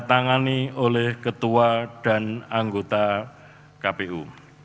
ditangani oleh ketua dan anggota kpu